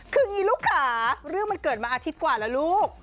คืออย่างนี้ลูกค่ะเรื่องมันเกิดมาอาทิตย์กว่าแล้วลูก